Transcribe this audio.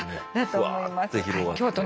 ふわって広がって。